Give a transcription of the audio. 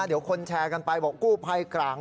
เดี๋ยวคนแชร์กันไปบอกกู้ภัยกลาง